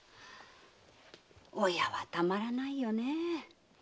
親はたまらないよね。